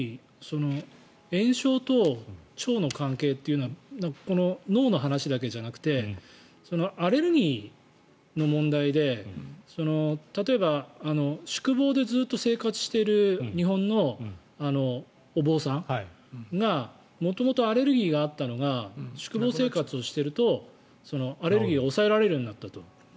炎症と腸の関係というのは脳の話だけじゃなくてアレルギーの問題で例えば宿坊でずっと生活している日本のお坊さんが元々、アレルギーがあったのが宿坊生活をしているとアレルギーが抑えられるようになったと。